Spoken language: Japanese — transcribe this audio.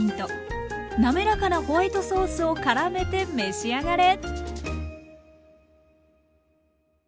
滑らかなホワイトソースをからめて召し上がれ。